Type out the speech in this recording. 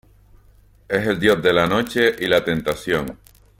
Es el dios de la noche y la tentación.